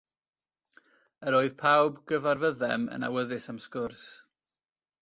Yr oedd pawb gyfarfyddem yn awyddus am sgwrs.